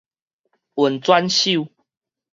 運轉手